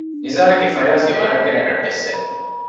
ނިޒާރު އަކީ ފަޔާޒްގެ ވަރަށް ގާތް ރަށްޓެއްސެއް